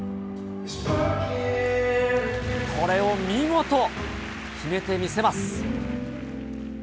これを見事、決めてみせます。